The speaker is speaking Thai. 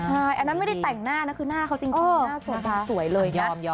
ใช่อันนั้นไม่ได้แต่งหน้านะคือหน้าเขาจริงหน้าสวยเลยนะ